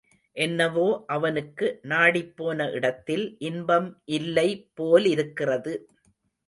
என்னவோ அவனுக்கு நாடிப்போன இடத்தில் இன்பம் இல்லை போலிருக்கிறது.